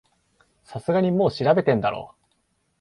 さすがにもう調べてんだろ